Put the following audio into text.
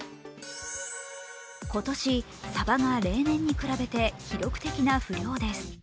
今年、さばが例年に比べて記録的な不漁です。